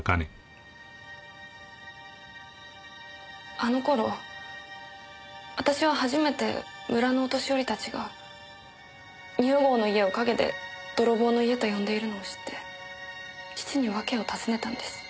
あの頃私は初めて村のお年寄りたちが二百郷の家を陰で泥棒の家と呼んでいるのを知って父にわけを尋ねたんです。